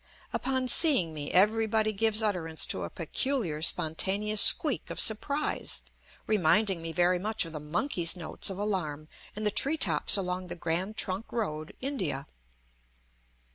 Upon seeing me everybody gives utterance to a peculiar spontaneous squeak of surprise, reminding me very much of the monkeys' notes of alarm in the tree tops along the Grand Trunk road, India.